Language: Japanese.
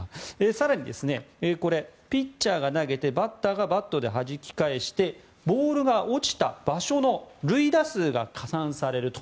更に、これはピッチャーが投げてバッターがバットではじき返してボールが落ちた場所の塁打数が加算されると。